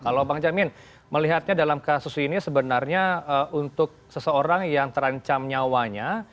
kalau bang jamin melihatnya dalam kasus ini sebenarnya untuk seseorang yang terancam nyawanya